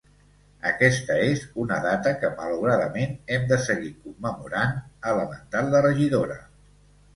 “Aquesta és una data que, malauradament, hem de seguir commemorant” ha lamentat la regidora.